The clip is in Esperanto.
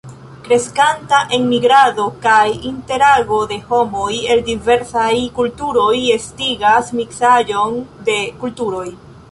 Kreskanta enmigrado kaj interago de homoj el diversaj kulturoj estigas miksaĵon de kulturoj.